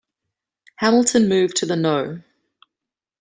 Hamilton moved to the No.